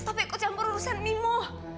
tapi ikut campur urusan mimo